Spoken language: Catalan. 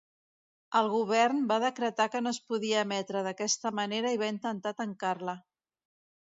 El govern va decretar que no es podia emetre d'aquesta manera i va intentar tancar-la.